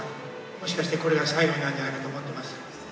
もしかして、これが最後になるんじゃないかと思ってます。